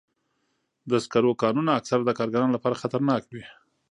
د سکرو کانونه اکثراً د کارګرانو لپاره خطرناک وي.